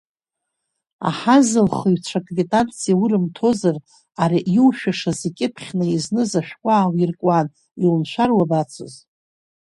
Аҳазылхҩцәа квитанциа урымҭозар, ари иушәашаз икьыԥхьны изныз ашәҟәы аауиркуан, иумшәар уабацоз.